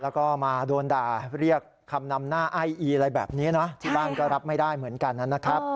แล้วก็มาโดนด่าเรียกคำนำหน้าไอ้อีอะไรแบบนี้นะที่บ้านก็รับไม่ได้เหมือนกันนะครับ